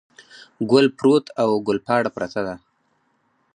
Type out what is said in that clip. ګل پروت او ګل پاڼه پرته ده.